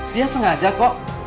dia sengaja kok